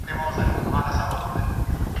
ور ښکاره یې کړې تڼاکي د لاسونو.